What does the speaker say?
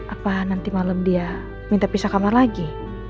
apa nanti malam dia minta pisah kamar lagi